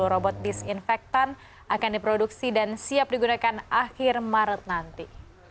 dua puluh robot disinfektan akan diproduksi dan siap digunakan akhir maret nanti